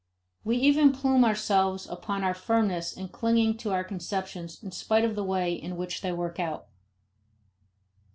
We even plume ourselves upon our firmness in clinging to our conceptions in spite of the way in which they work out.